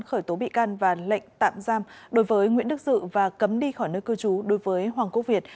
khởi tố bị can và lệnh tạm giam đối với nguyễn đức dự và cấm đi khỏi nơi cư trú đối với hoàng quốc việt